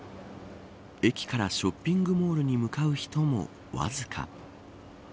駅からショッピングモールに向かう人もわずか。